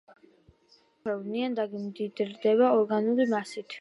მცენარეებით დაფარული ნიადაგი მდიდრდება ორგანული მასით.